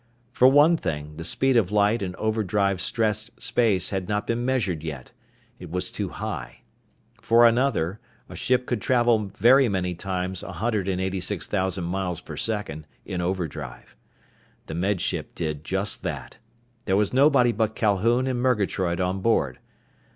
For one thing, the speed of light in overdrive stressed space had not been measured yet. It was too high. For another, a ship could travel very many times 186,000 miles per second in overdrive. The Med Ship did just that. There was nobody but Calhoun and Murgatroyd on board.